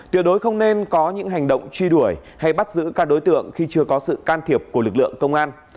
tuyệt đối không nên có những hành động truy đuổi hay bắt giữ các đối tượng khi chưa có sự can thiệp của lực lượng công an